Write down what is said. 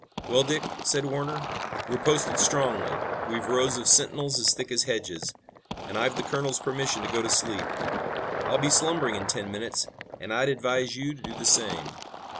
"Well, Dick," said Warner, "we're posted strongly. We've rows of sentinels as thick as hedges, and I've the colonel's permission to go to sleep. I'll be slumbering in ten minutes, and I'd advise you to do the same."